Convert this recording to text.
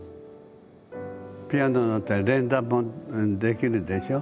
ピアノだったら連弾もできるでしょ。